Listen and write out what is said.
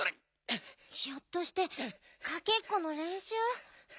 ひょっとしてかけっこのれんしゅう？